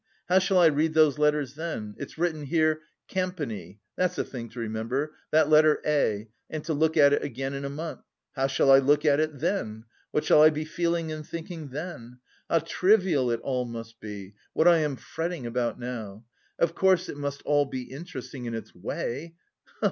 How shall I read those letters then? It's written here 'Campany,' that's a thing to remember, that letter a, and to look at it again in a month how shall I look at it then? What shall I be feeling and thinking then?... How trivial it all must be, what I am fretting about now! Of course it must all be interesting... in its way...